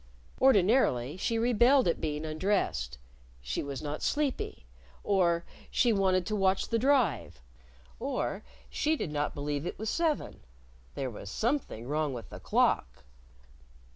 Ordinarily she rebelled at being undressed. She was not sleepy. Or she wanted to watch the Drive. Or she did not believe it was seven there was something wrong with the clock.